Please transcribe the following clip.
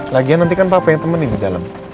lagian nanti kan papa yang temani di dalam